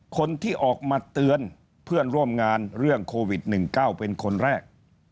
คนที่ออกมาเตือนเพื่อนร่วมงานเรื่องโควิด๑๙เป็นคนแรก